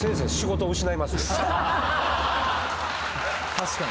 確かに。